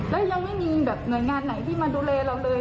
แล้วยังไม่มีแบบหน่วยงานไหนที่มาดูแลเราเลย